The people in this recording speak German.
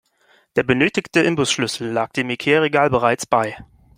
Der benötigte Imbusschlüssel lag dem Ikea-Regal bereits bei.